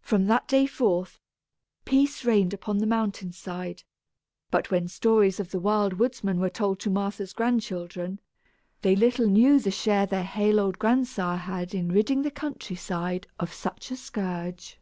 From that day forth, peace reigned upon the mountain side; but when stories of the Wild Woodsman were told to Martha's grandchildren, they little knew the share their hale old grandsire had in ridding the country side of such a scourge.